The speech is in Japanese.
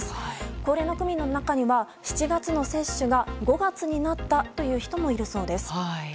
高齢の区民の中には７月の接種が５月になったという人もいるそうです。